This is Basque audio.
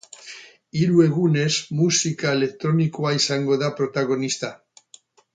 Hiru egunez musika elektronikoa izango da protagonista.